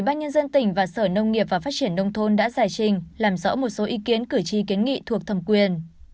các tỉnh và sở nông nghiệp và phát triển nông thôn đã giải trình làm rõ một số ý kiến cử tri kiến nghị thuộc thầm quyền